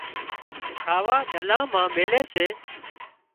کاوا ڏلا مان ميلي سي